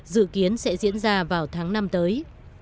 dự kiến sẽ diễn ra vào tháng năm tới